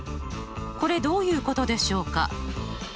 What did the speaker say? これどういうことでしょうか？